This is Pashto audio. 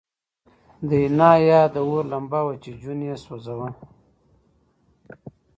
د حنا یاد د اور لمبه وه چې جون یې سوځاوه